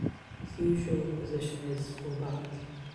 His usual position is full back.